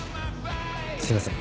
すいません。